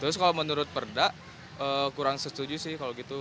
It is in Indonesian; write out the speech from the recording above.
terus kalau menurut perda kurang setuju sih kalau gitu